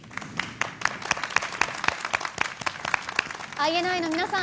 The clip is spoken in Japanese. ＩＮＩ の皆さん